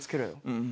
うん。